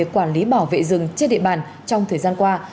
quản lý bảo vệ rừng trên địa bàn trong thời gian qua